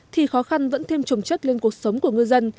thì khó khăn vẫn thêm trồng chất lên cuộc sống của ngư dân